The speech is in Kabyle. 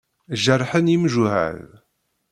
Jerḥen yemjuhad.